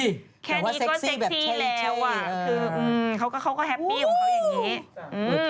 อันนี้ก็เซ็กซี่แบบเท่คือเขาก็แฮปปี้เหมือนเขาอย่างนี้